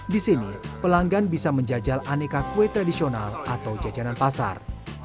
di sini pelanggan bisa menjajal aneka kue tradisional atau jajanan pasar